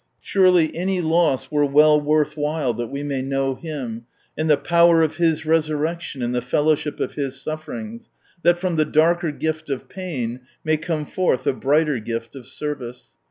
Surely any loss were well worth while that we may know Him, and the power of His resurrection, and the fellowship of His sufferings, that from the darker gift of |)ain, may come forth the brighter gift of service.